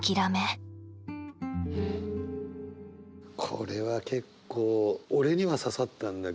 これは結構俺には刺さったんだけど。